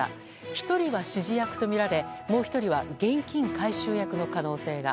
１人は指示役とみられもう１人は現金回収役の可能性が。